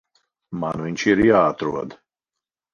Man viņš ir jāatrod.